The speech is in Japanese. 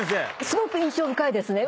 すごく印象深いですね。